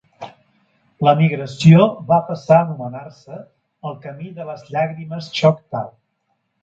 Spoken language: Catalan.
La migració va passar a anomenar-se el Camí de les Llàgrimes choctaw.